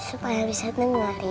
supaya bisa mengeriin